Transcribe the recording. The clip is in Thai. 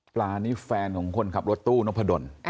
ปลานี่แฟนของคนขับรถตู้นพดล